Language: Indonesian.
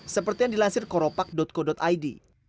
seperti yang dilansir koropak co id